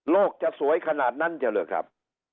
จะสวยขนาดนั้นจะเหรอครับ